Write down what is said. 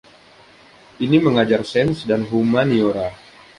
Ini mengajar sains dan humaniora.